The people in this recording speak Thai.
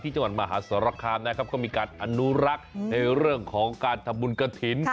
จังหวัดมหาสรคามนะครับก็มีการอนุรักษ์ในเรื่องของการทำบุญกระถิ่น